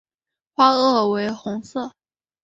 花萼为红色。